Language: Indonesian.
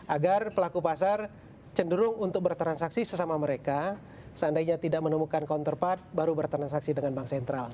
agar pelaku pasar cenderung untuk bertransaksi sesama mereka seandainya tidak menemukan counterpart baru bertransaksi dengan bank sentral